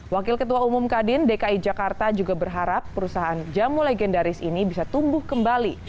wakil ketua umum kadin dki jakarta juga berharap perusahaan jamu legendaris ini bisa tumbuh kembali